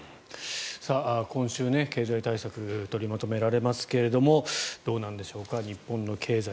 今週経済対策が取りまとめられますがどうなんでしょうか日本の経済。